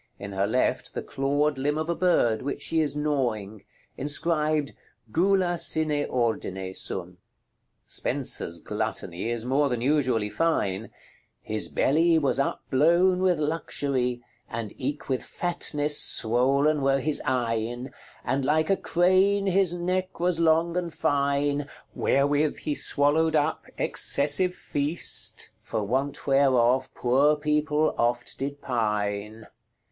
In her left, the clawed limb of a bird, which she is gnawing. Inscribed "GULA SINE ORDINE SUM." Spenser's Gluttony is more than usually fine: "His belly was upblowne with luxury, And eke with fatnesse swollen were his eyne, And like a crane his necke was long and fyne, Wherewith he swallowed up excessive feast, For want whereof poore people oft did pyne."